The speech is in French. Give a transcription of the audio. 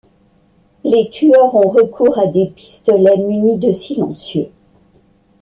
Les tueurs ont recours à des pistolets munis de silencieux.